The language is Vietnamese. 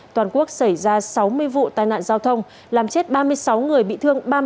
toàn quốc xảy ra sáu mươi vụ tai nạn giao thông làm chết ba mươi sáu người bị thương